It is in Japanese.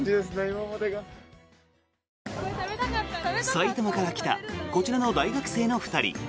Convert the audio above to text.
埼玉から来たこちらの大学生の２人。